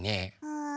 うん？